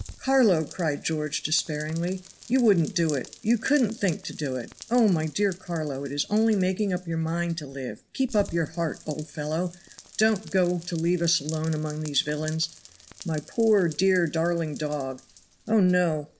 "Carlo," cried George, despairingly, "you wouldn't do it, you couldn't think to do it. Oh, my dear Carlo, it is only making up your mind to live; keep up your heart, old fellow; don't go to leave us alone among these villains. My poor, dear, darling dog! Oh, no!